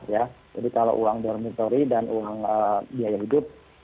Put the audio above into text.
jadi kalau uang dormitory dan uang biaya hidup